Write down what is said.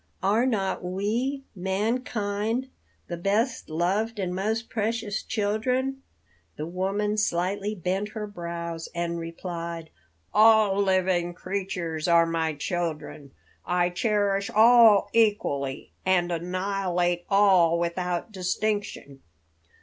Are not we, mankind, thy best loved and most precious children?" The woman slightly bent her brows and replied: "All living creatures are my children; I cherish all equally, and annihilate all without distinction."